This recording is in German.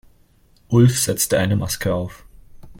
Ulf setzte eine Maske auf.